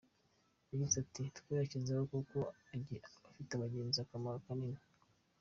Yagize ati “Twayashyizeho kuko afitiye abagenzi akamaro kanini.